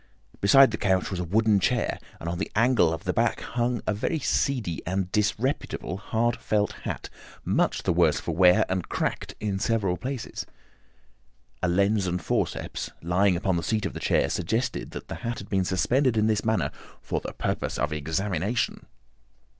Beside the couch was a wooden chair, and on the angle of the back hung a very seedy and disreputable hard felt hat, much the worse for wear, and cracked in several places. A lens and a forceps lying upon the seat of the chair suggested that the hat had been suspended in this manner for the purpose of examination.